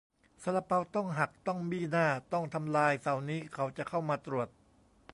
"ซาลาเปาต้องหัก ต้องบี้หน้า ต้องทำลาย เสาร์นี้เขาจะเข้ามาตรวจ"